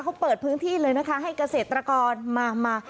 เขาเปิดพื้นที่เลยนะคะให้เกษตรกรมามา